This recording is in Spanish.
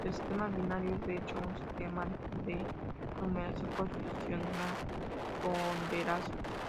El sistema binario es, de hecho, un sistema de numeración posicional ponderado.